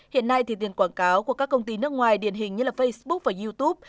hiện nay thì tiền quảng cáo của các công ty nước ngoài điển hình như facebook và youtube